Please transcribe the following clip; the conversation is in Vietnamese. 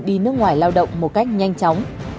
đi nước ngoài lao động một cách nhanh chóng